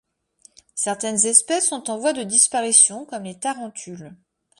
Certaine espèces sont en voie de disparition comme les tarentules.